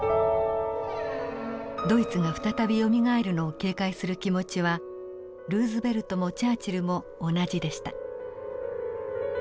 ドイツが再びよみがえるのを警戒する気持ちはルーズベルトもチャーチルも同じでした。